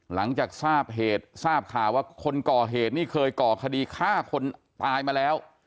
หลังจากทราบเหตุทราบข่าวว่าคนก่อเหตุนี่เคยก่อคดีฆ่าคนตายมาแล้ว